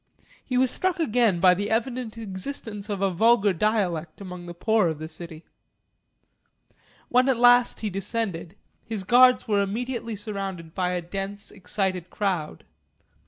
He was struck again by the evident existence of a vulgar dialect among the poor of the city. When at last he descended, his guards were immediately surrounded by a dense excited crowd.